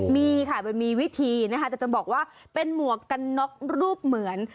มีค่ะมันมีวิธีนะคะแต่จะบอกว่าเป็นหมวกกันน็อกรูปเหมือน